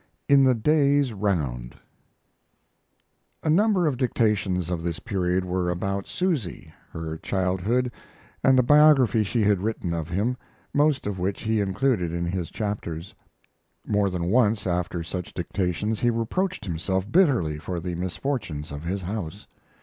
IN THE DAY'S ROUND A number of dictations of this period were about Susy, her childhood, and the biography she had written of him, most of which he included in his chapters. More than once after such dictations he reproached himself bitterly for the misfortunes of his house.